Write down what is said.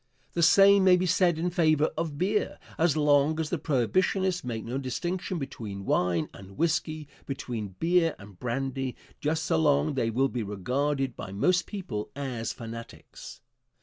The same may be said in favor of beer. As long as the Prohibitionists make no distinction between wine and whisky, between beer and brandy, just so long they will be regarded by most people as fanatics.